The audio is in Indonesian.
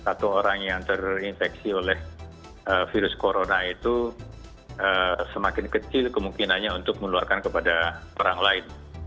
atau orang yang terinfeksi oleh virus corona itu semakin kecil kemungkinannya untuk menularkan kepada orang lain